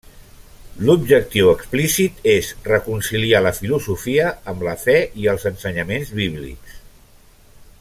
L'objectiu explícit és reconciliar la filosofia amb la fe i els ensenyaments bíblics.